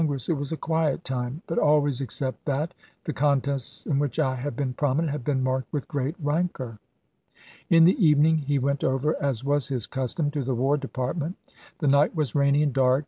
When I came to Congress it was a quiet time ; but always, except that, the contests in which I have been prominent have been marked with great j.h., „ Diary, rancor." In the evening he went over,1 as was his custom, to the War Department. The night was rainy and dark.